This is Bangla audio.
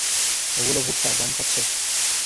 ওগুলো ভুট্টা, গম খাচ্ছে।